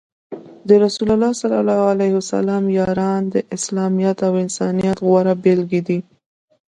د رسول الله ص یاران د اسلامیت او انسانیت غوره بیلګې دي.